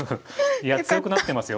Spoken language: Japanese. いや強くなってますよ。